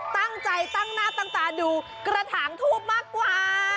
ตั้งใจตั้งหน้าตั้งตาดูกระถางทูบมากกว่า